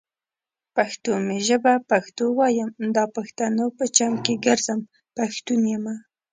پښتو می ژبه پښتو وايم، دا پښتنو په چم کې ګرځم ، پښتون يمه